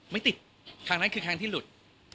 ไม่ติดครั้งนั้นคือครั้งที่หลุด